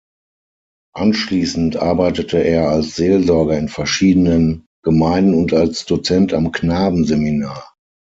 Anschließend arbeitete er als Seelsorger in verschiedenen Gemeinden und als Dozent am Knabenseminar.